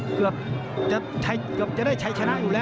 เกือบจะได้ชัยชนะอยู่แล้ว